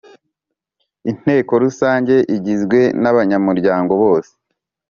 Inteko Rusange igizwe n abanyamuryango bose